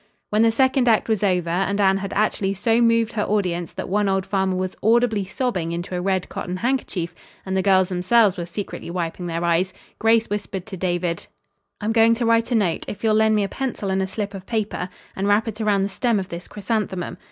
When the second act was over, and Anne had actually so moved her audience that one old farmer was audibly sobbing into a red cotton handkerchief, and the girls themselves were secretly wiping their eyes, Grace whispered to David: "I'm going to write a note, if you'll lend me a pencil and a slip of paper, and wrap it around the stem of this chrysanthemum.